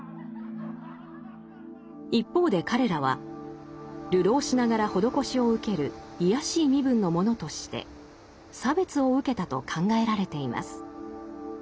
一方で彼らは流浪しながら施しを受ける卑しい身分の者として差別を受けたと考えられています。